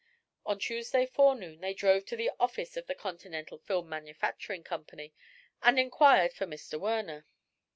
On Tuesday forenoon they drove to the office of the Continental Film Manufacturing Company and inquired for Mr. Werner.